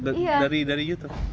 oh gitu dari youtube